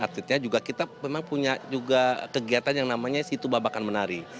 atletnya juga kita memang punya juga kegiatan yang namanya situ babakan menari